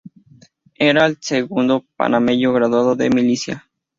Era el segundo panameño graduado de milicia.